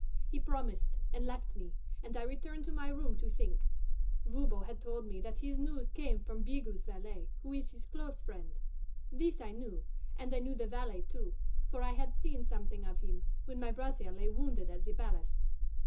He promised, and left me, and I returned to my room to think. Voban had told me that his news came from Bigot's valet, who is his close friend. This I knew, and I knew the valet too, for I had seen something of him when my brother lay wounded at the palace.